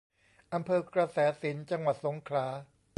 อำเภอกระแสสินธุ์ จังหวัดสงขลา